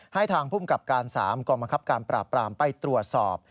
ให้ทางภูมิกับการ๓กองบังคับการปราบปรามไปตรวจสอบ